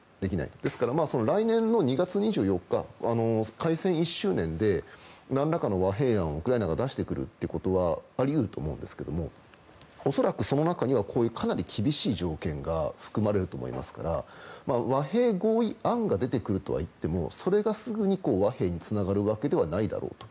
ですから、来年２月２４日開戦１周年で何らかの和平案をウクライナが出してくるということはあり得ると思うんですけど恐らく、その中にはこういうかなり厳しい条件が含まれると思いますから和平合意案が出てくるとはいってもそれがすぐに和平につながるわけではないだろうと。